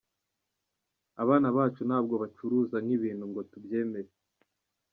Abana bacu ntabwo bacuruzwa nk’ibintu ngo tubyemere.